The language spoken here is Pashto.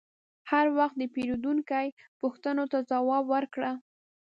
هر وخت د پیرودونکي پوښتنو ته ځواب ورکړه.